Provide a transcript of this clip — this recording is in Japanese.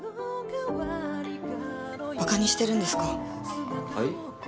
ばかにしてるんですか？